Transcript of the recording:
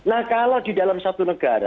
nah kalau di dalam satu negara